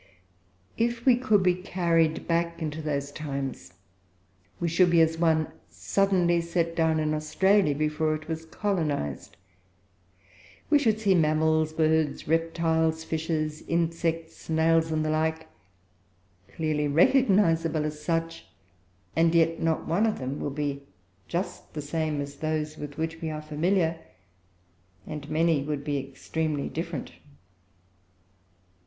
If we could be carried back into those times, we should be as one suddenly set down in Australia before it was colonized. We should see mammals, birds, reptiles, fishes, insects, snails, and the like, clearly recognizable as such, and yet not one of them would be just the same as those with which we are familiar, and many would be extremely different.